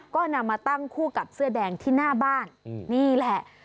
ก็นำมาตั้งคู่กับเสื้อแดงที่หน้าบ้านนี่แหละ